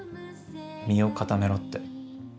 身を固めろって。